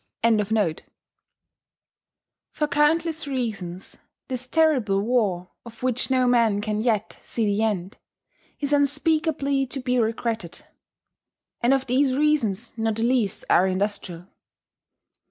]For countless reasons this terrible war (of which no man can yet see the end) is unspeakably to be regretted; and of these reasons not the least are industrial.